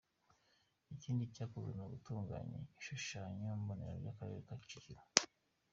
Ikindi cyakozwe , n’ugutunganya igishushanyo-mbonera cy’Akarere ka Kicukiro .